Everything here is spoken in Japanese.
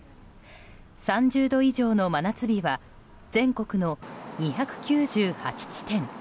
３０度以上の真夏日は全国の２９８地点。